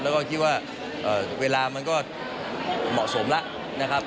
แล้วก็คิดว่าเวลามันก็เหมาะสมแล้วนะครับ